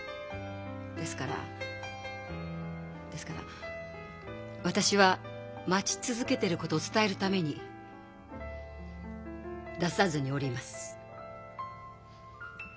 ですからですから私は待ち続けてることを伝えるために出さずにおります。